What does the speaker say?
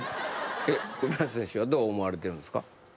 栗林選手はどう思われてるんですか？